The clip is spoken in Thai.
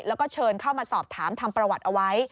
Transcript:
แล้วก็เชิญเข้ามาสอบถามทำประวัติเอาไว้